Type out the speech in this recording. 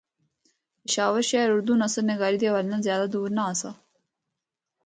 پشاور شہر اُردو نثر نگاری دے حوالے نال زیادہ دور نہ آسا۔